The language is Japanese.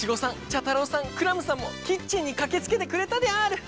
クラムさんもキッチンにかけつけてくれたである！